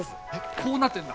こうなってんだ？